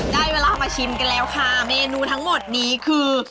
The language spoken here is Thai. ได้เวลามาชิมกันแล้วค่ะเมนูทั้งหมดนี้คือ